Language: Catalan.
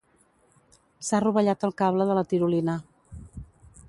S'ha rovellat el cable de la tirolina.